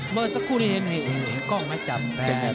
เมื่อสักครู่นี้เห็นกล้องไม้จับแฟน